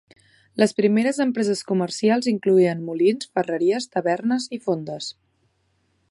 Les primeres empreses comercials incloïen molins, ferreries, tavernes i fondes.